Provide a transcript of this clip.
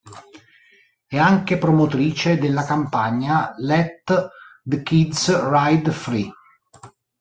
È anche promotrice della campagna "Let the Kids Ride Free".